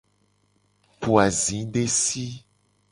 Po azidesi.